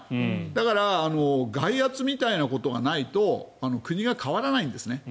だから外圧みたいなことがないと国が変わらないんですね。